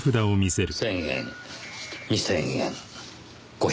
１０００円２０００円５００円。